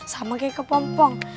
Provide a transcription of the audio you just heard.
sama kayak kepompong